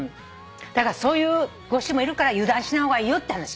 だからそういうご主人もいるから油断しない方がいいよっていう話。